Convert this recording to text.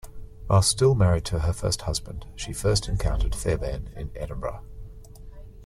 Whilst still married to her first husband she first encountered Fairbairn in Edinburgh.